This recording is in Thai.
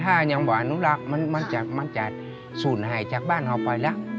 ถ้ายังบอกเอามาอนุรักษ์มันจะสู้นหายจากบ้านให้ไปแหละ